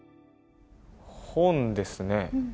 本ですね。